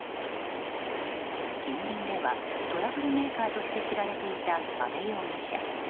近隣ではトラブルメーカーとして知られていた阿部容疑者。